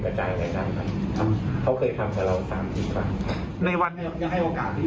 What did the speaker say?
เขาจะได้ควบคุมกัน